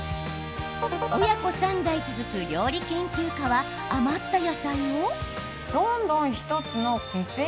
親子３代続く料理研究家は余った野菜を。